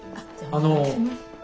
あの。